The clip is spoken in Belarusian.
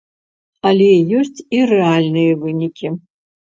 Але ёсць і рэальныя вынікі.